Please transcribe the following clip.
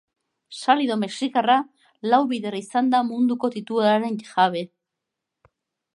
Salido mexikarra lau bider izan da munduko tituluaren jabe.